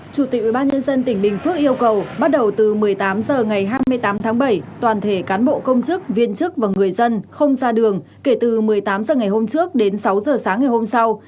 chủ tịch ubnd tỉnh bình phước yêu cầu bắt đầu từ một mươi tám h ngày hai mươi tám tháng bảy toàn thể cán bộ công chức viên chức và người dân không ra đường kể từ một mươi tám h ngày hôm trước đến sáu h sáng ngày hôm sau